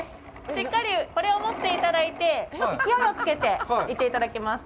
しっかりこれを持っていただいて、勢いを付けて行っていただきます。